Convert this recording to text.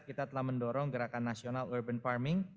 kita telah mendorong gerakan nasional urban farming